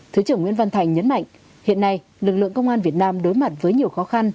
thứ trưởng nguyễn văn thành nhấn mạnh hiện nay lực lượng công an việt nam đối mặt với nhiều khó khăn